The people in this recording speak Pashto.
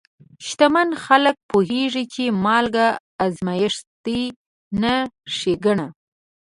شتمن خلک پوهېږي چې مال ازمېښت دی، نه ښېګڼه.